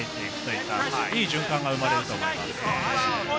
いい循環が生まれると思います。